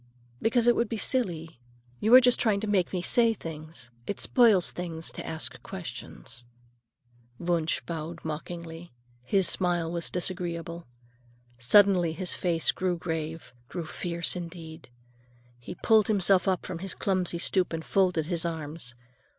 "Because it would be silly. You are just trying to make me say things. It spoils things to ask questions." Wunsch bowed mockingly; his smile was disagreeable. Suddenly his face grew grave, grew fierce, indeed. He pulled himself up from his clumsy stoop and folded his arms.